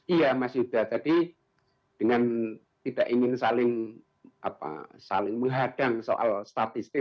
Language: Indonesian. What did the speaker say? iya mas yuda tadi dengan tidak ingin saling menghadang soal statistik